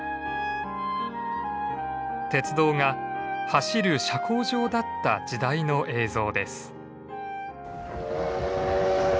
鉄道が走る社交場だった時代の映像です。